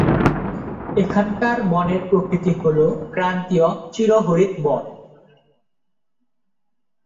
এখানকার বনের প্রকৃতি হলো ক্রান্তীয় চিরহরিৎ বন।